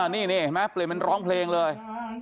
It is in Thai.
นี่แม่เปลี่ยนมาร้องเพลงเลย